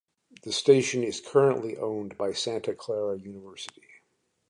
The station is currently owned by Santa Clara University.